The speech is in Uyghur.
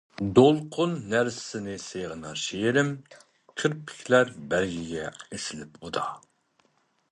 دولقۇن نەرىسىنى سېغىنار شېئىرىم، كىرپىكلەر بەرگىگە ئېسىلىپ ئۇدا.